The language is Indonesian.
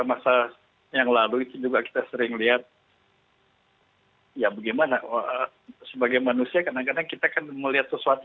masa yang lalu itu juga kita sering lihat ya bagaimana sebagai manusia kadang kadang kita kan melihat sesuatu